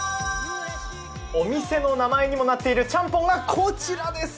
お店の名前にもなっているチャンポンがこちらです。